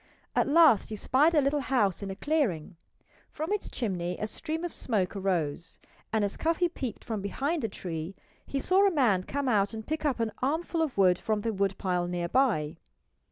At last he spied a little house in a clearing. From its chimney a stream of smoke rose, and as Cuffy peeped from behind a tree he saw a man come out and pick up an armful of wood from the woodpile nearby.